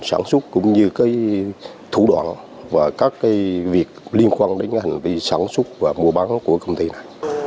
sản xuất cũng như thủ đoạn và các việc liên quan đến hành vi sản xuất và mua bán của công ty này